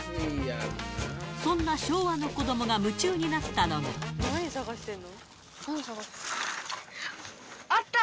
そんな昭和の子どもが夢中になっあった！